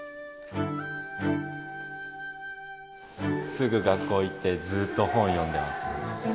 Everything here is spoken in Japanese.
すぐ学校行って、ずっと本読んでます。